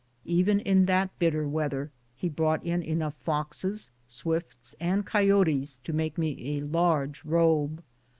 Even in that bitter weather he brought in enough foxes, swifts, and coyotes to make me a large robe.